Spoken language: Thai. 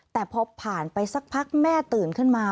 แต่พอผ่านไปสักพักแม่ตื่นขึ้นมา